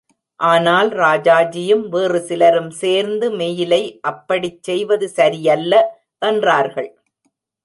ஆனால், ராஜாஜியும் வேறு சிலரும் சேர்ந்து மெயிலை அப்படிச் செய்வது சரியல்ல என்றார்கள்.